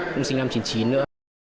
cũng sinh năm chín mươi chín nữa